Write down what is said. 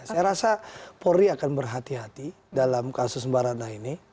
saya rasa polri akan berhati hati dalam kasus mbak ratna ini